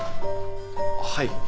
はい。